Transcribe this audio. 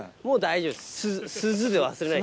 もう大丈夫です。